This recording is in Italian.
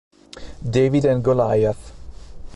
David and Goliath